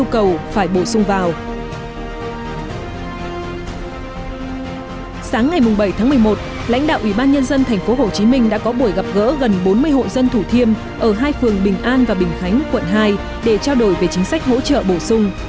chủ tịch ubnd tp hcm đã có buổi gặp gỡ gần bốn mươi hộ dân thủ thiêm ở hai phường bình an và bình khánh quận hai để trao đổi về chính sách hỗ trợ bổ sung